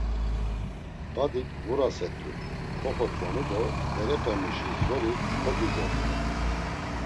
Badik ğuraset̆u koxotzonu do berepemuşis zori koducoxu.